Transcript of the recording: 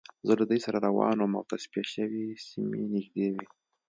زه له دوی سره روان وم او تصفیه شوې سیمه نږدې وه